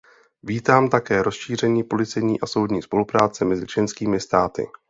Vítám také rozšíření policejní a soudní spolupráce mezi členskými státy.